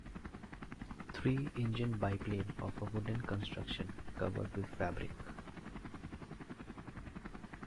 Three-engine biplane of a wooden construction, covered with fabric.